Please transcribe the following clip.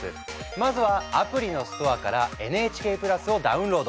まずはアプリのストアからＮＨＫプラスをダウンロード！